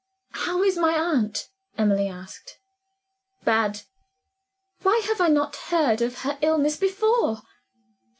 "How is my aunt?" Emily asked. "Bad." "Why have I not heard of her illness before?"